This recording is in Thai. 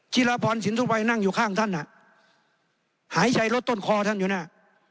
รพรสินทุวัยนั่งอยู่ข้างท่านอ่ะหายใจลดต้นคอท่านอยู่น่ะ